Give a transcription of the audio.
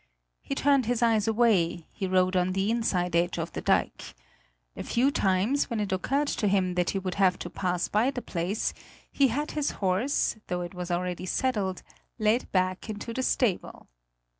He turned his eyes away, he rode on the inside edge of the dike. A few times, when it occurred to him that he would have to pass by the place, he had his horse, though it was already saddled, led back into the stable.